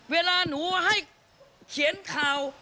เวลาหนูให้เขียนข่าว